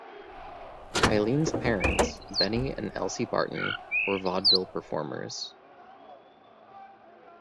Eileen's parents, Benny and Elsie Barton, were vaudeville performers.